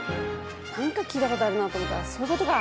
何か聞いたことあるなと思ったらそういうことか。